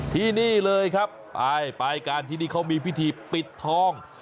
ที่นี่เลยครับไปไปกันที่นี่เขามีพิธีปิดทอง